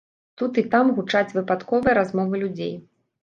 Тут і там гучаць выпадковыя размовы людзей.